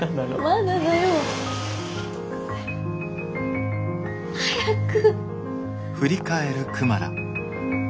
まだだよ。早く。